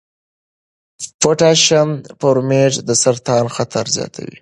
پوټاشیم برومیټ د سرطان خطر زیاتوي.